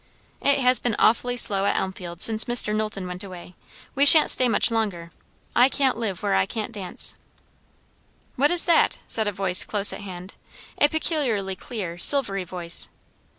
"It has been awfully slow at Elmfield since Mr. Knowlton went away. We sha'n't stay much longer. I can't live where I can't dance." "What is that?" said a voice close at hand a peculiarly clear, silvery voice.